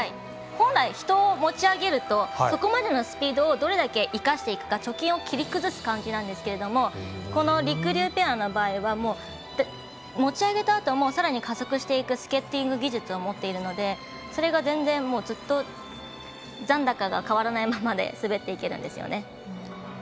本来、人を持ち上げるとそこまでのスピードをどこまで生かしていくか貯金を切り崩す感じなんですがこのりくりゅうペアの場合は持ち上げたあともさらに加速していくスケーティング技術を持っているのでそれが全然ずっと残高が変わらないままで滑っていけるんですよね。